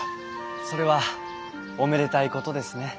それはおめでたいことですね。